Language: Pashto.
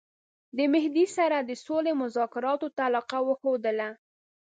د مهدي سره د سولي مذاکراتو ته علاقه وښودله.